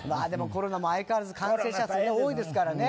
コロナも相変わらず感染者、多いですからね。